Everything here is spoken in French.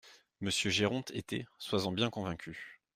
Monsieur Géronte était, sois-en bien convaincu…